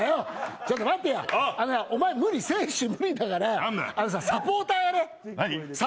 ちょっと待ってよ、お前選手無理だから、サポーターやれ。